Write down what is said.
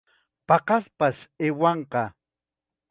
Paqaspash aywanqa.